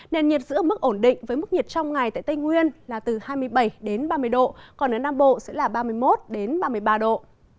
nền nhiệt giữ mức ổn định với mức nhiệt trong ngày tại tây nguyên là từ hai mươi bảy đến ba mươi độ còn ở nam bộ sẽ là ba mươi một ba mươi ba độ